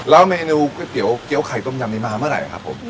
แล้วเมนูก๋วยเตี๋ยวเกี้ยวไข่ต้มยำนี้มาเมื่อไหร่ครับผม